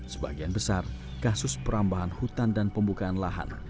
sebagian besar kasus perambahan hutan dan pembukaan lahan